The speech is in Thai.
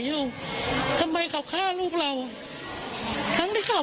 อยากให้แข่มมารับผิดสอบ